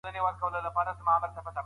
مثبت خلګ مو ژوند ته خوشبیني راوړي.